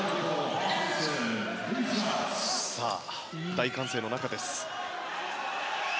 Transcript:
大歓声の中です。